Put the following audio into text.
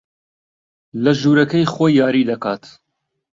لە ژوورەکەی خۆی یاری دەکات.